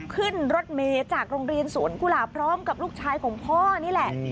ขึ้นรถเมย์จากโรงเรียนสวนกุหลาบพร้อมกับลูกชายของพ่อนี่แหละ